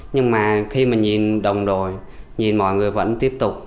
nhưng mà khi mà nhìn đồng đồi nhìn mọi người vẫn tiếp tục